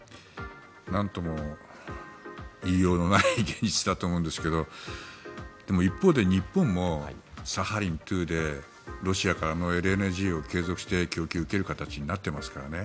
なんとも言いようのない現実だと思うんですけどでも、一方で日本もサハリン２でロシアからＬＮＧを継続して供給を受ける形になっていますからね。